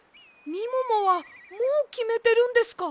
みももはもうきめてるんですか？